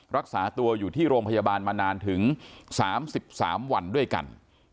รักษาตัวอยู่ที่โรงพยาบาลมานานถึง๓๓วันด้วยกัน